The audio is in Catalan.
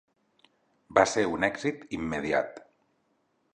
Va ser un èxit immediat.